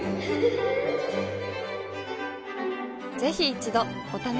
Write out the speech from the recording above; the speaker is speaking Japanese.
ぜひ一度お試しを。